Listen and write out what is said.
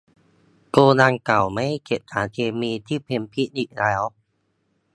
โกดังเก่าไม่ได้เก็บสารเคมีที่เป็นพิษอีกแล้ว